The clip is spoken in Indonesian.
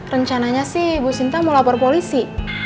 rencananya sih ibu sinta mau lapor polisi